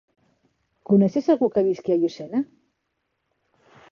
Coneixes algú que visqui a Llucena?